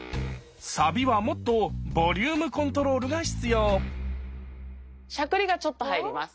サビはもっとボリュームコントロールが必要しゃくりがちょっと入ります。